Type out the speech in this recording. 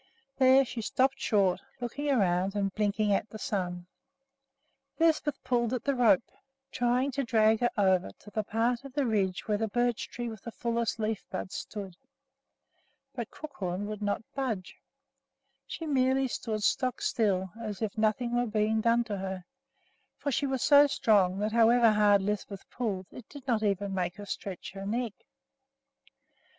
There she stopped short, looking around and blinking at the sun. Lisbeth pulled at the rope, trying to drag her over to the part of the ridge where the birch tree with the fullest leaf buds stood. But Crookhorn would not budge. She merely stood stock still as if nothing were being done to her; for she was so strong that, however hard Lisbeth pulled, it did not even make her stretch her neck.